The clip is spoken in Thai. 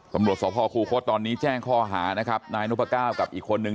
ตำรวจสภคูคศตอนนี้แจ้งข้อหานะครับนายนพก้าวกับอีกคนนึง